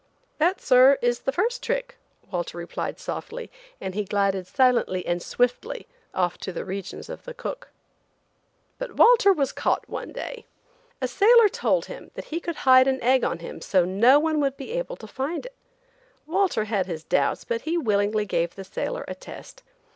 "That, sir, is the first trick," Walter replied softly, and he glided silently and swiftly off to the regions of the cook. But Walter was caught one day. A sailor told him that he could hide an egg on him so no one would be able to find it. Walter had his doubts, but he willingly gave the sailor a test.